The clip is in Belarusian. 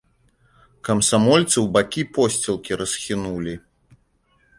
Камсамольцы ў бакі посцілкі расхінулі.